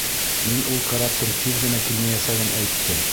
Мин ул караптың тиҙ генә килмәйәсәген әйттем.